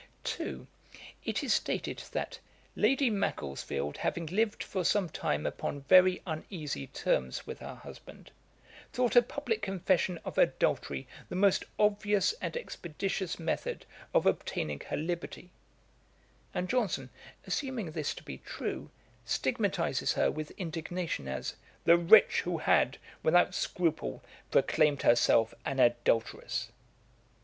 It is stated, that 'Lady Macclesfield having lived for some time upon very uneasy terms with her husband, thought a publick confession of adultery the most obvious and expeditious method of obtaining her liberty;' and Johnson, assuming this to be true, stigmatises her with indignation, as 'the wretch who had, without scruple, proclaimed herself an adulteress.'